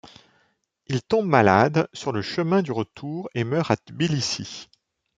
Il tombe malade sur le chemin du retour et meurt à Tbilissi.